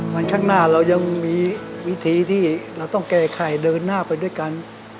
ข้างหน้าเรายังมีวิธีที่เราต้องแก้ไขเดินหน้าไปด้วยกัน